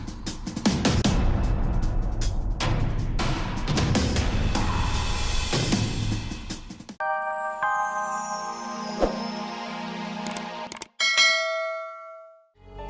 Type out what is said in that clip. aku jangan jalan jalan